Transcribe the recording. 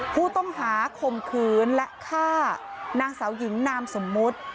ผู้ต้องหาคมคืนและฆ่านางเสาหญิงนามสมมุตร